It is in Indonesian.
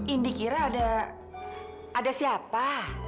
indi kira ada ada siapa